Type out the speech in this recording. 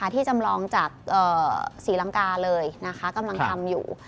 ที่จำลองจากศรีลังกาเลยกำลังทำอยู่